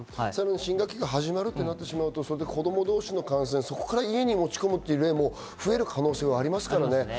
新学期が始まるとなると子供同士の感染、そこから家に持ち込む例も増える可能性はありますからね。